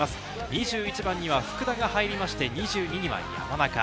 ２１番には福田が入りまして、２２番・山中。